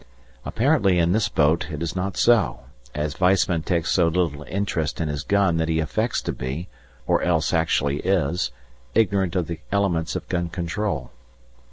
Apparently in this boat it is not so, as Weissman takes so little interest in his gun that he affects to be, or else actually is, ignorant of the elements of gun control.